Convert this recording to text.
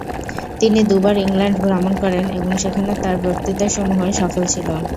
তিনি দু-বার ইংল্যান্ড ভ্রমণ করেন এবং সেখানে তার বক্তৃতাসমূহ সফল ছিল।